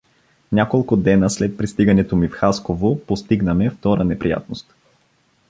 Няколко дена след пристигането ми в Хасково постигна ме втора неприятност.